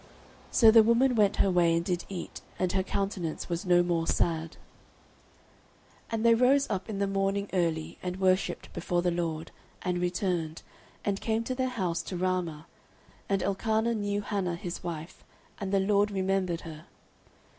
So the woman went her way, and did eat, and her countenance was no more sad. 09:001:019 And they rose up in the morning early, and worshipped before the LORD, and returned, and came to their house to Ramah: and Elkanah knew Hannah his wife; and the LORD remembered her.